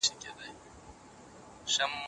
ټولنیز مهارتونه د ژوند د پرمختګ لپاره دي.